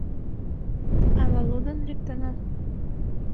Ала лудын лектына?